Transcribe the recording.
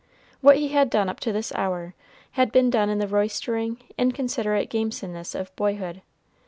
What he had done up to this hour had been done in the roystering, inconsiderate gamesomeness of boyhood.